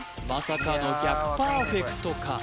まさかの逆パーフェクトか？